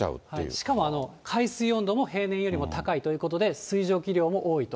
しかも海水温度も平年よりも高いということで、水蒸気量も多いと。